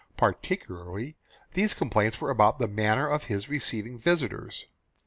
Particularly, these complaints were about the manner of his receiving visitors.